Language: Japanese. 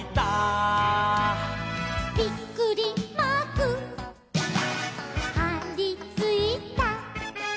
「びっくりマークはりついた」